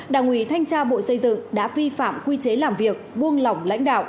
đảng ủy thanh tra bộ xây dựng đã vi phạm quy chế làm việc buông lỏng lãnh đạo